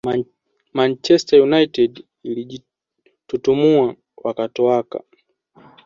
Manchester United ilijitutumua wakatoaka